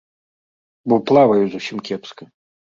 Бо плаваю зусім кепска.